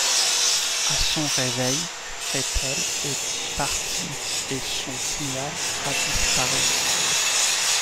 À son réveil, Fettel est parti et son signal a disparu.